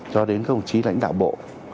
cho đến các hồng chí lãnh đạo bộ